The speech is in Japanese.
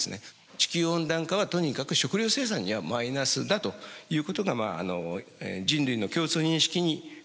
地球温暖化はとにかく食料生産にはマイナスだということが人類の共通認識になったわけです。